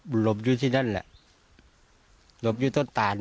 มันหลบอยู่ที่นั่นแหละหลบอยู่ต้นตาน